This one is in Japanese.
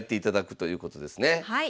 はい。